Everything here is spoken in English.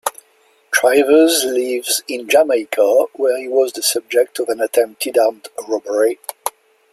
Trivers lives in Jamaica, where he was the subject of an attempted armed robbery.